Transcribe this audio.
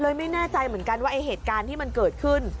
ไม่แน่ใจเหมือนกันว่าไอ้เหตุการณ์ที่มันเกิดขึ้น